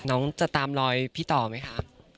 น้องจะตามรอยพี่ต่อไหมคะ